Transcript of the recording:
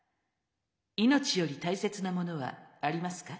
命より大切なものはありますか？